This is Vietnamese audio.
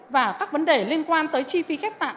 và các vấn đề liên quan tới chi phí ghép tạng